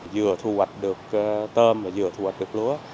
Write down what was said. vừa thu hoạch được tôm và vừa thu hoạch được lúa